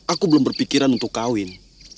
aku belum berpikiran untuk kawin